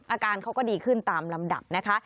อาการเขาก็ดีขึ้นตามลำดับนะคะ